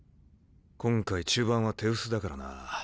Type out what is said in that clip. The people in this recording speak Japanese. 今回中盤は手薄だからな。